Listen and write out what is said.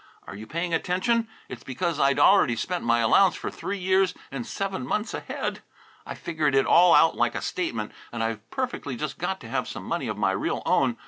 Are you paying attention? It's because I'd already spent my allowance for three years and seven months ahead I figured it all out like a statement and I've perfectly just got to have some money of my real own.